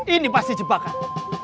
ini pasti jebakan